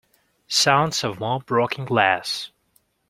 Sounds of more broken glass.